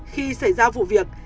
khi xảy ra vụ việc